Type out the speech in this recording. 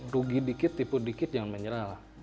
rugi dikit tipu dikit jangan menyerah lah